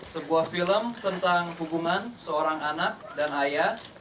sebuah film tentang hubungan seorang anak dan ayah